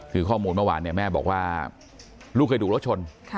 คือข้อมูลเมื่อวานแม่บอกว่าลูกเคยดูแล้วชน